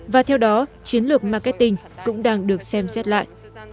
và theo đó chiến lược marketing cũng đang được xem xét lại